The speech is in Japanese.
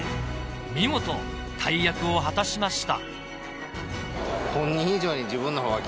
見事大役を果たしました